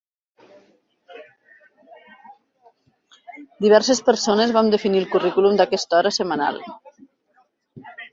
Diverses persones vam definir el currículum d'aquesta hora setmanal.